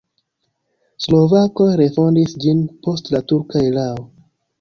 Slovakoj refondis ĝin post la turka erao.